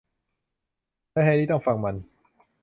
และแฮรี่ต้องฟังมัน